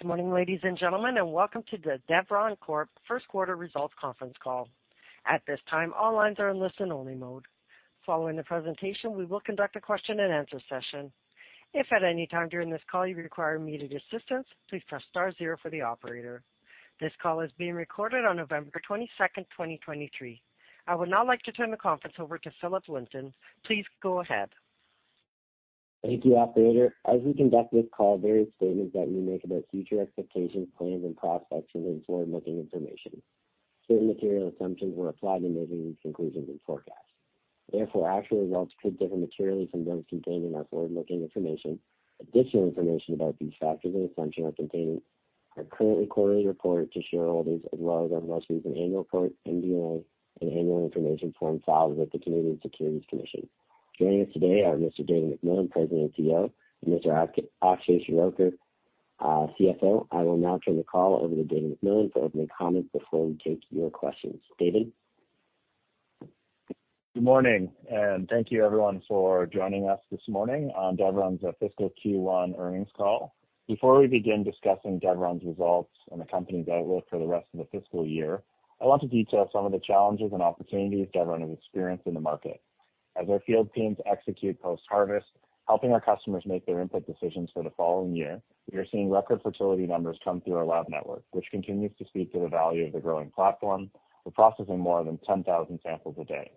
Good morning, ladies and gentlemen, and welcome to the Deveron Corp Q1 Results Conference Call. At this time, all lines are in listen-only mode. Following the presentation, we will conduct a question-and-answer session. If at any time during this call you require immediate assistance, please press star zero for the operator. This call is being recorded on November 22nd, 2023. I would now like to turn the conference over to Philip Linton. Please go ahead. Thank you, operator. As we conduct this call, various statements that we make about future expectations, plans, and prospects are in forward-looking information. Certain material assumptions were applied in making these conclusions and forecasts. Therefore, actual results could differ materially from those contained in our forward-looking information. Additional information about these factors and assumptions are contained in our current quarterly report to shareholders, as well as our most recent annual report, MD&A, and annual information form filed with the Canadian Securities Commission. Joining us today are Mr. David MacMillan, President and CEO, and Mr. Akshay Shirodker, CFO. I will now turn the call over to David MacMillan for opening comments before we take your questions. David? Good morning, and thank you everyone for joining us this morning on Deveron's fiscal Q1 earnings call. Before we begin discussing Deveron's results and the company's outlook for the rest of the fiscal year, I want to detail some of the challenges and opportunities Deveron has experienced in the market. As our field teams execute post-harvest, helping our customers make their input decisions for the following year, we are seeing record fertility numbers come through our lab network, which continues to speak to the value of the growing platform. We're processing more than 10,000 samples a day.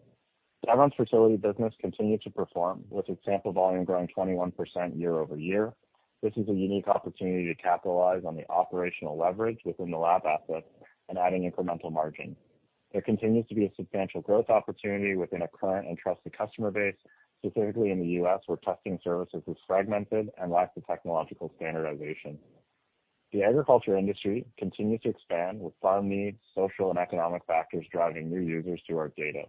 Deveron's fertility business continued to perform, with its sample volume growing 21% year-over-year. This is a unique opportunity to capitalize on the operational leverage within the lab assets and adding incremental margin. There continues to be a substantial growth opportunity within our current and trusted customer base, specifically in the U.S., where testing services are fragmented and lack the technological standardization. The agriculture industry continues to expand, with farm needs, social and economic factors driving new users to our data.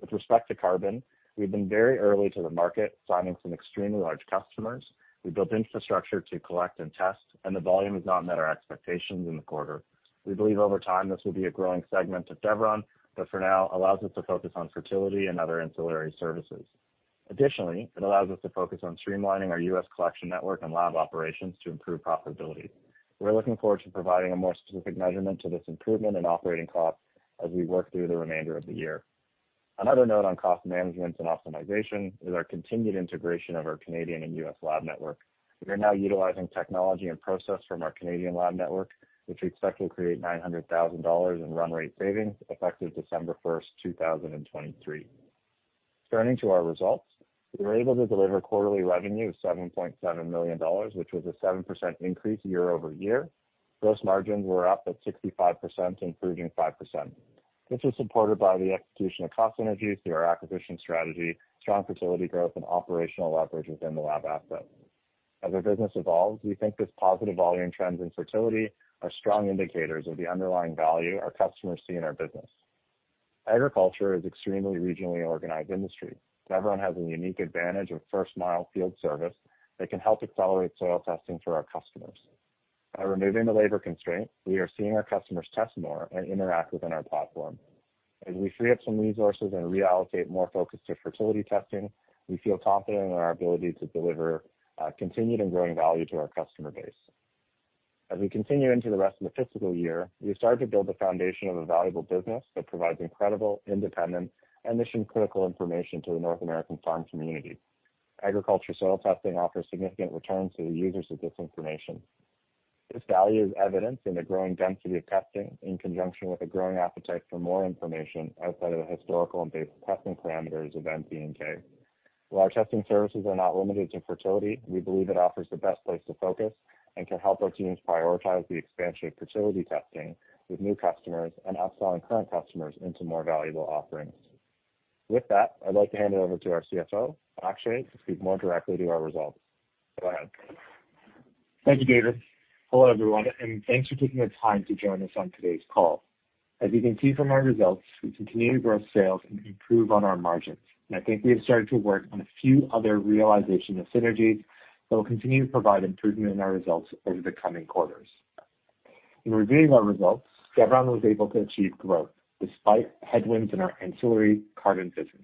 With respect to carbon, we've been very early to the market, signing some extremely large customers. We built infrastructure to collect and test, and the volume has not met our expectations in the quarter. We believe over time, this will be a growing segment of Deveron, but for now allows us to focus on fertility and other ancillary services. Additionally, it allows us to focus on streamlining our U.S. collection network and lab operations to improve profitability. We're looking forward to providing a more specific measurement to this improvement in operating costs as we work through the remainder of the year. Another note on cost management and optimization is our continued integration of our Canadian and U.S. lab network. We are now utilizing technology and process from our Canadian lab network, which we expect will create 900,000 dollars in run rate savings, effective December 1st, 2023. Turning to our results, we were able to deliver quarterly revenue of 7.7 million dollars, which was a 7% increase year-over-year. Gross margins were up at 65%, improving 5%. This was supported by the execution of cost synergies through our acquisition strategy, strong fertility growth, and operational leverage within the lab asset. As our business evolves, we think this positive volume trends in fertility are strong indicators of the underlying value our customers see in our business. Agriculture is extremely regionally organized industry. Deveron has a unique advantage of first-mile field service that can help accelerate soil testing for our customers. By removing the labor constraint, we are seeing our customers test more and interact within our platform. As we free up some resources and reallocate more focus to fertility testing, we feel confident in our ability to deliver continued and growing value to our customer base. As we continue into the rest of the fiscal year, we've started to build the foundation of a valuable business that provides incredible, independent, and mission-critical information to the North American farm community. Agriculture soil testing offers significant returns to the users of this information. This value is evidenced in the growing density of testing, in conjunction with a growing appetite for more information outside of the historical and basic testing parameters of N, P, and K. While our testing services are not limited to fertility, we believe it offers the best place to focus and can help our teams prioritize the expansion of fertility testing with new customers and upselling current customers into more valuable offerings. With that, I'd like to hand it over to our CFO, Akshay, to speak more directly to our results. Go ahead. Thank you, David. Hello, everyone, and thanks for taking the time to join us on today's call. As you can see from our results, we continue to grow sales and improve on our margins. I think we have started to work on a few other realization of synergies that will continue to provide improvement in our results over the coming quarters. In reviewing our results, Deveron was able to achieve growth despite headwinds in our ancillary carbon business.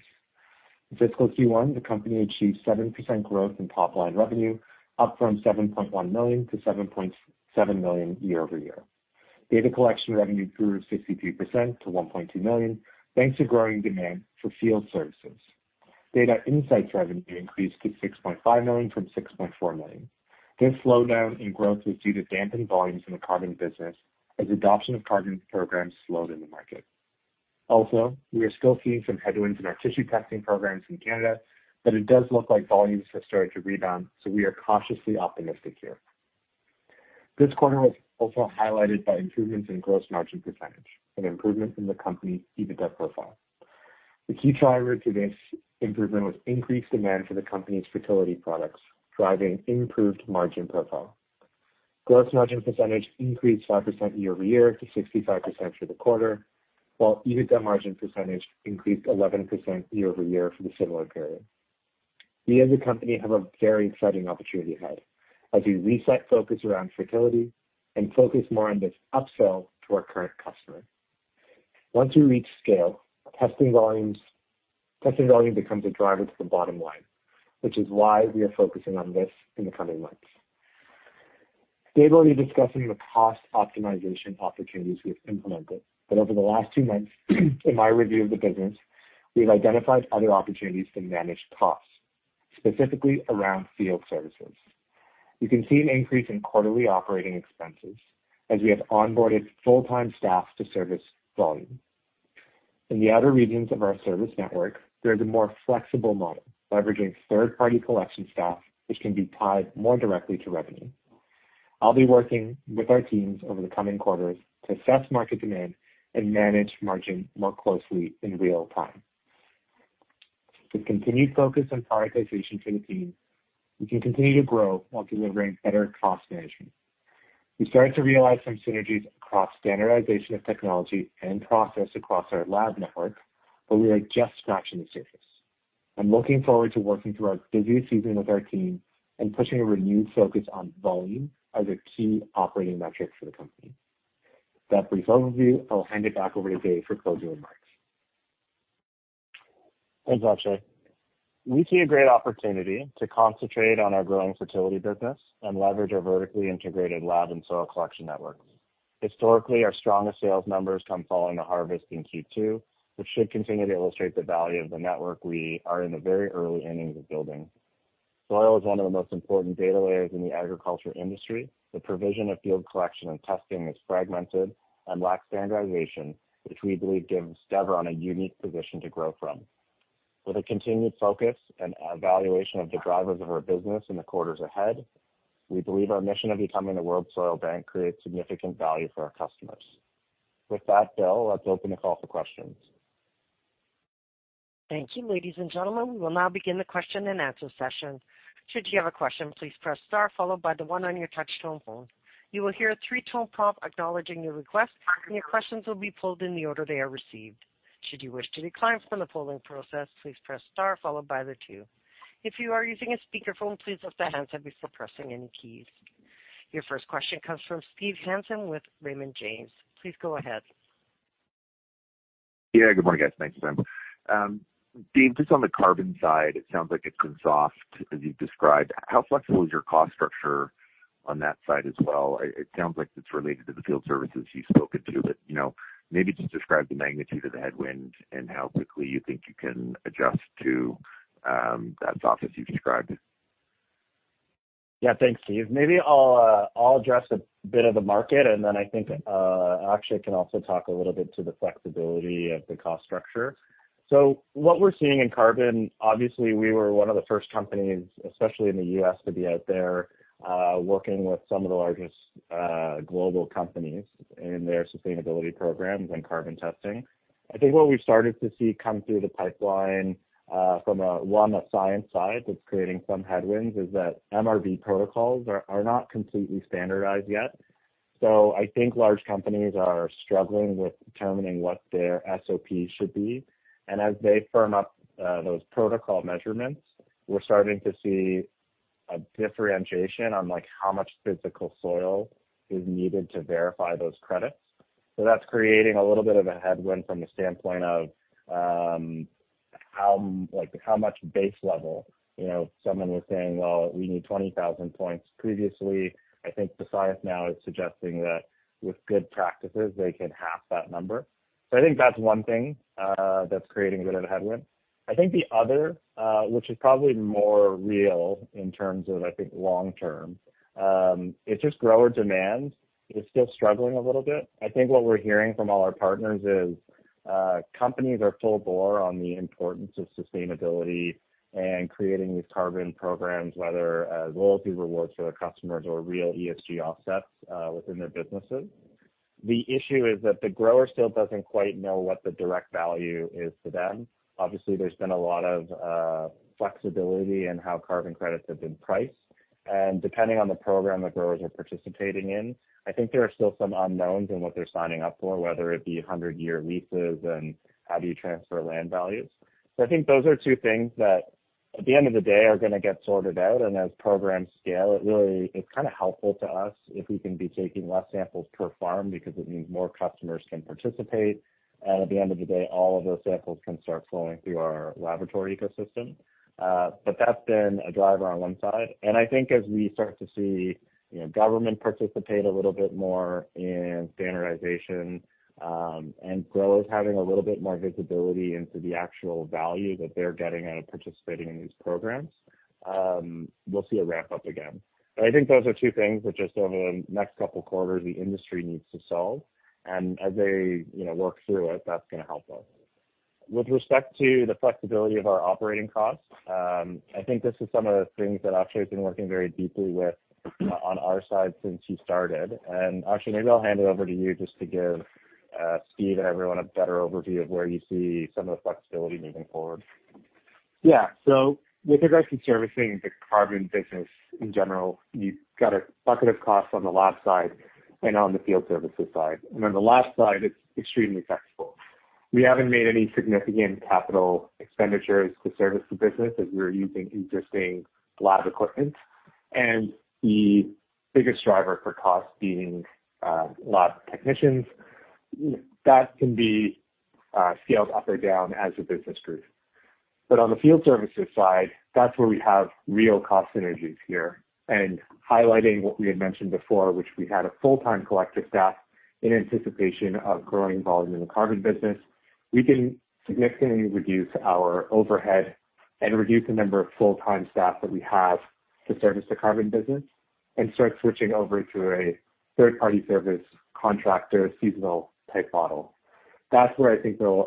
In fiscal Q1, the company achieved 7% growth in top-line revenue, up from 7.1 million to 7.7 million year-over-year. Data collection revenue grew 62% to 1.2 million, thanks to growing demand for field services. Data insights revenue increased to 6.5 million from 6.4 million. This slowdown in growth was due to dampened volumes in the carbon business as adoption of carbon programs slowed in the market. Also, we are still seeing some headwinds in our tissue testing programs in Canada, but it does look like volumes have started to rebound, so we are cautiously optimistic here. This quarter was also highlighted by improvements in gross margin percentage and improvements in the company's EBITDA profile. The key driver to this improvement was increased demand for the company's fertility products, driving improved margin profile. Gross margin percentage increased 5% year-over-year to 65% for the quarter, while EBITDA margin percentage increased 11% year-over-year for the similar period. We as a company have a very exciting opportunity ahead as we reset focus around fertility and focus more on this upsell to our current customers. Once we reach scale, testing volume becomes a driver to the bottom line, which is why we are focusing on this in the coming months. Dave will be discussing the cost optimization opportunities we've implemented, but over the last two months, in my review of the business, we've identified other opportunities to manage costs, specifically around field services. You can see an increase in quarterly operating expenses as we have onboarded full-time staff to service volume. In the other regions of our service network, there is a more flexible model, leveraging third-party collection staff, which can be tied more directly to revenue. I'll be working with our teams over the coming quarters to assess market demand and manage margin more closely in real time. With continued focus on prioritization to the team, we can continue to grow while delivering better cost management. We started to realize some synergies across standardization of technology and process across our lab network, but we are just scratching the surface. I'm looking forward to working through our busy season with our team and pushing a renewed focus on volume as a key operating metric for the company. With that brief overview, I'll hand it back over to Dave for closing remarks. Thanks, Akshay. We see a great opportunity to concentrate on our growing fertility business and leverage our vertically integrated lab and soil collection networks. Historically, our strongest sales numbers come following the harvest in Q2, which should continue to illustrate the value of the network we are in the very early innings of building. Soil is one of the most important data layers in the agriculture industry. The provision of field collection and testing is fragmented and lacks standardization, which we believe gives Deveron a unique position to grow from. With a continued focus and evaluation of the drivers of our business in the quarters ahead, we believe our mission of becoming the world's soil bank creates significant value for our customers. With that, Gale, let's open the call for questions. Thank you, ladies and gentlemen. We will now begin the question-and-answer session. Should you have a question, please press star followed by the one on your touchtone phone. You will hear a three-tone prompt acknowledging your request, and your questions will be pulled in the order they are received. Should you wish to decline from the polling process, please press star followed by the two. If you are using a speakerphone, please lift the handset before pressing any keys. Your first question comes from Steve Hansen with Raymond James. Please go ahead. Yeah, good morning, guys. Thanks for the time. Dave, just on the carbon side, it sounds like it's gone soft as you've described. How flexible is your cost structure on that side as well? It, it sounds like it's related to the field services you've spoken to, but, you know, maybe just describe the magnitude of the headwind and how quickly you think you can adjust to, that soft as you've described it. Yeah. Thanks, Steve. Maybe I'll address a bit of the market, and then I think Akshay can also talk a little bit to the flexibility of the cost structure. So what we're seeing in carbon, obviously, we were one of the first companies, especially in the U.S., to be out there, working with some of the largest global companies in their sustainability programs and carbon testing. I think what we've started to see come through the pipeline, from a science side, that's creating some headwinds, is that MRV protocols are not completely standardized yet. So I think large companies are struggling with determining what their SOP should be. And as they firm up those protocol measurements, we're starting to see a differentiation on, like, how much physical soil is needed to verify those credits. So that's creating a little bit of a headwind from the standpoint of, how, like, how much base level. You know, someone was saying, "Well, we need 20,000 points previously." I think the science now is suggesting that with good practices, they can half that number. So I think that's one thing that's creating a bit of a headwind. I think the other, which is probably more real in terms of, I think, long term, is just grower demand is still struggling a little bit. I think what we're hearing from all our partners is, companies are full bore on the importance of sustainability and creating these carbon programs, whether as loyalty rewards for their customers or real ESG offsets within their businesses. The issue is that the grower still doesn't quite know what the direct value is to them. Obviously, there's been a lot of flexibility in how carbon credits have been priced, and depending on the program the growers are participating in, I think there are still some unknowns in what they're signing up for, whether it be 100-year leases and how do you transfer land values. So I think those are two things that, at the end of the day, are gonna get sorted out, and as programs scale, it really—it's kind of helpful to us if we can be taking less samples per farm because it means more customers can participate. And at the end of the day, all of those samples can start flowing through our laboratory ecosystem. But that's been a driver on one side. And I think as we start to see, you know, government participate a little bit more in standardization, and growers having a little bit more visibility into the actual value that they're getting out of participating in these programs, we'll see a ramp up again. But I think those are two things that just over the next couple of quarters, the industry needs to solve, and as they, you know, work through it, that's gonna help us. With respect to the flexibility of our operating costs, I think this is some of the things that Akshay has been working very deeply with on our side since he started. And Akshay, maybe I'll hand it over to you just to give, Steve and everyone a better overview of where you see some of the flexibility moving forward. Yeah. So with regards to servicing the carbon business in general, you've got a bucket of costs on the lab side and on the field services side. And on the lab side, it's extremely flexible. We haven't made any significant capital expenditures to service the business, as we're using existing lab equipment, and the biggest driver for cost being lab technicians that can be scaled up or down as a business group. But on the field services side, that's where we have real cost synergies here. And highlighting what we had mentioned before, which we had a full-time collective staff in anticipation of growing volume in the carbon business, we can significantly reduce our overhead and reduce the number of full-time staff that we have to service the carbon business and start switching over to a third-party service contractor, seasonal type model. That's where I think the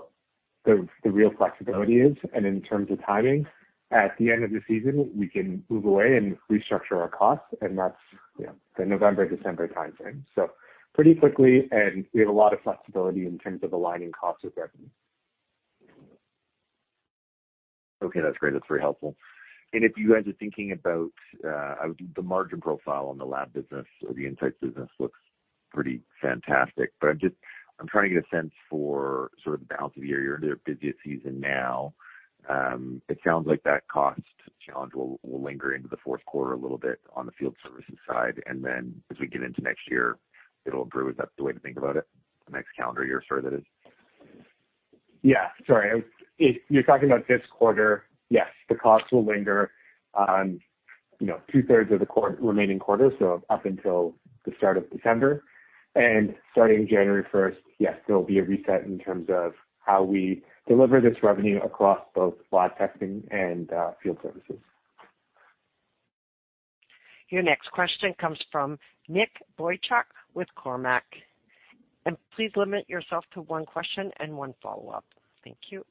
real flexibility is. And in terms of timing, at the end of the season, we can move away and restructure our costs, and that's, you know, the November, December timeframe. So pretty quickly, and we have a lot of flexibility in terms of aligning costs with revenue. Okay, that's great. That's very helpful. And if you guys are thinking about, the margin profile on the lab business or the insights business looks pretty fantastic. But I'm just—I'm trying to get a sense for sort of the balance of the year. You're in their busiest season now. It sounds like that cost challenge will linger into the Q4 a little bit on the field services side, and then as we get into next year, it'll improve. Is that the way to think about it, the next calendar year, sorry, that is? Yeah, sorry. If you're talking about this quarter, yes, the costs will linger on, you know, 2/3 of the remaining quarter, so up until the start of December. And starting January 1st, yes, there will be a reset in terms of how we deliver this revenue across both lab testing and field services. Your next question comes from Nick Boychuk with Cormark. Please limit yourself to one question and one follow-up. Thank you.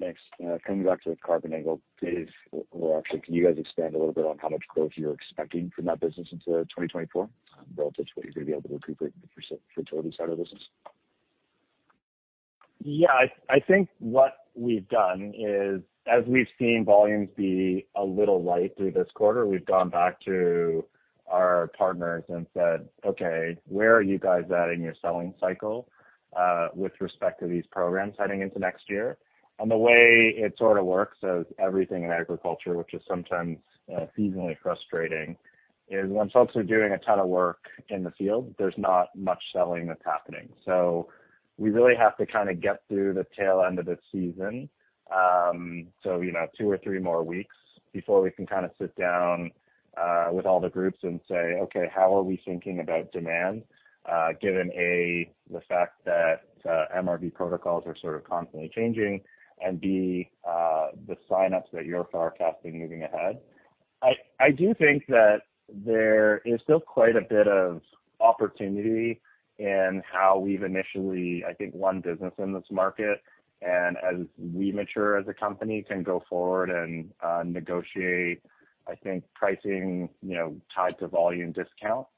Thanks. Coming back to the carbon angle, Dave, or actually, can you guys expand a little bit on how much growth you're expecting from that business into 2024, relative to what you're going to be able to recruit for the fertility side of the business? Yeah, I think what we've done is, as we've seen volumes be a little light through this quarter, we've gone back to our partners and said, "Okay, where are you guys at in your selling cycle with respect to these programs heading into next year?" And the way it sort of works, so everything in agriculture, which is sometimes seasonally frustrating, is when folks are doing a ton of work in the field, there's not much selling that's happening. So we really have to kinda get through the tail end of the season, so, you know, two or three more weeks before we can kinda sit down with all the groups and say, "Okay, how are we thinking about demand, given, A, the fact that MRV protocols are sort of constantly changing, and B, the sign-ups that you're forecasting moving ahead?" I do think that there is still quite a bit of opportunity in how we've initially, I think, won business in this market. And as we mature as a company, can go forward and negotiate, I think, pricing, you know, tied to volume discount,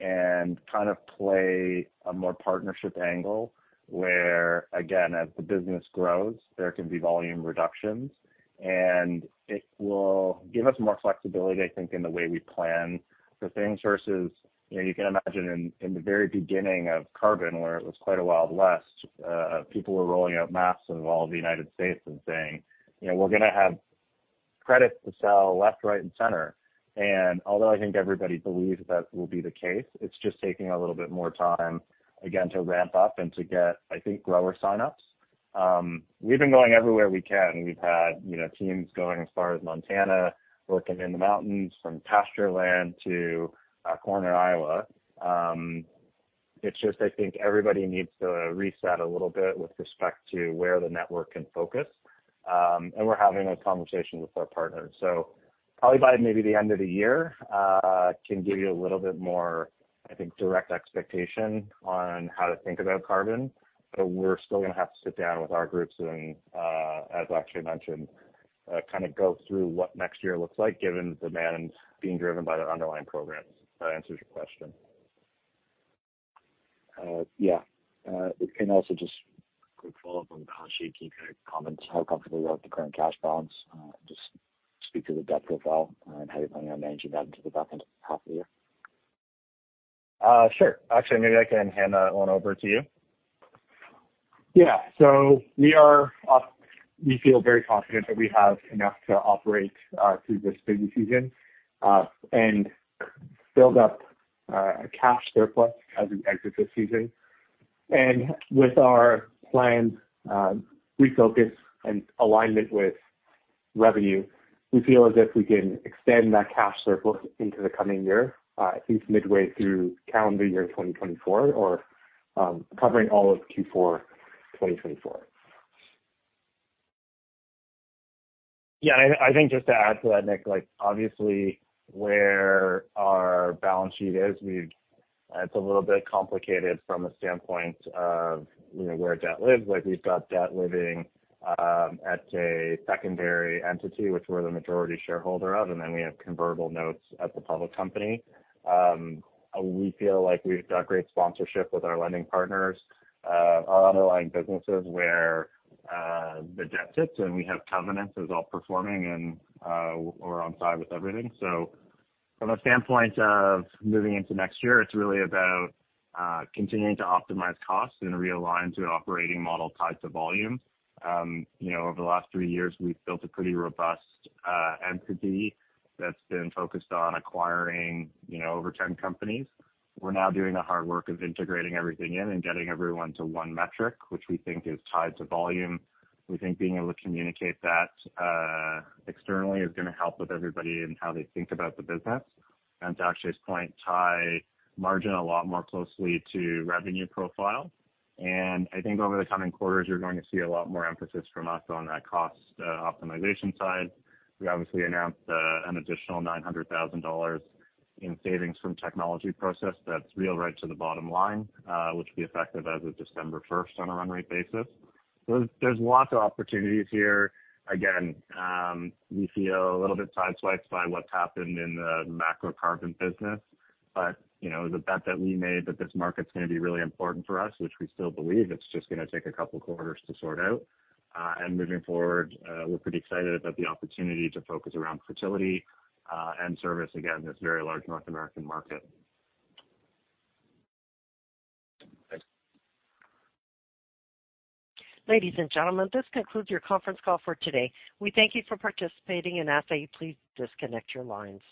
and kind of play a more partnership angle, where, again, as the business grows, there can be volume reductions. It will give us more flexibility, I think, in the way we plan for things versus, you know, you can imagine in the very beginning of carbon, where it was quite a wild west, people were rolling out maps of all the United States and saying, "You know, we're gonna have credits to sell left, right, and center." And although I think everybody believes that will be the case, it's just taking a little bit more time, again, to ramp up and to get, I think, grower sign-ups. We've been going everywhere we can. We've had, you know, teams going as far as Montana, working in the mountains, from pastureland to corn in Iowa. It's just I think everybody needs to reset a little bit with respect to where the network can focus, and we're having those conversations with our partners. So probably by maybe the end of the year, can give you a little bit more, I think, direct expectation on how to think about carbon. But we're still gonna have to sit down with our groups and, as Akshay mentioned, kind of go through what next year looks like, given demand being driven by the underlying programs. If that answers your question. Yeah. And also just a quick follow-up on the balance sheet. Can you kind of comment how comfortable you are with the current cash balance? Just speak to the debt profile, and how you plan on managing that into the back end of the half of the year. Sure. Akshay, maybe I can hand that one over to you. Yeah. So we feel very confident that we have enough to operate through this busy season and build up a cash surplus as we exit this season. With our planned refocus and alignment with revenue, we feel as if we can extend that cash surplus into the coming year at least midway through calendar year 2024, or covering all of Q4 2024. Yeah, and I think just to add to that, Nick, like, obviously, where our balance sheet is, we've—it's a little bit complicated from a standpoint of, you know, where debt lives. Like, we've got debt living at a secondary entity, which we're the majority shareholder of, and then we have convertible notes at the public company. We feel like we've got great sponsorship with our lending partners. Our underlying businesses where the debt sits, and we have covenants is all performing and, we're on side with everything. So from a standpoint of moving into next year, it's really about continuing to optimize costs and realign to an operating model tied to volume. You know, over the last three years, we've built a pretty robust entity that's been focused on acquiring, you know, over 10 companies. We're now doing the hard work of integrating everything in and getting everyone to one metric, which we think is tied to volume. We think being able to communicate that externally is gonna help with everybody and how they think about the business. And to Akshay's point, tie margin a lot more closely to revenue profile. And I think over the coming quarters, you're going to see a lot more emphasis from us on that cost optimization side. We obviously announced an additional 900,000 dollars in savings from technology process that's real right to the bottom line, which will be effective as of December 1st on a run rate basis. So there's, there's lots of opportunities here. Again, we feel a little bit sideswiped by what's happened in the macro carbon business, but, you know, the bet that we made, that this market's gonna be really important for us, which we still believe, it's just gonna take a couple quarters to sort out. And moving forward, we're pretty excited about the opportunity to focus around fertility, and service, again, this very large North American market. Thanks. Ladies and gentlemen, this concludes your conference call for today. We thank you for participating and ask that you please disconnect your lines.